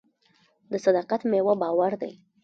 د صداقت میوه باور دی.